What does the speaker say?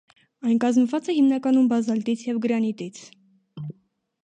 Այն կազմված է հիմնականում բազալտից և գրանիտից։